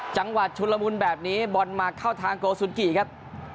จังหวัดชุนละมุนแบบนี้บอลมาเข้าทางโกสุนกิครับ